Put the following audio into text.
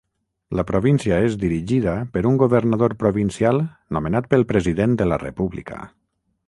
La província és dirigida per un governador provincial nomenat pel President de la República.